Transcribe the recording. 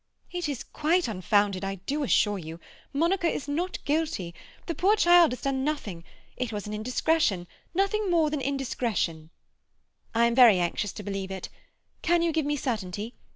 "It is quite unfounded, I do assure you. Monica is not guilty. The poor child has done nothing—it was an indiscretion—nothing more than indiscretion—" "I am very anxious to believe it. Can you give me certainty?